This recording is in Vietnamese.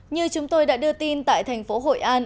như chúng tôi đã đưa tin tại thành phố hội an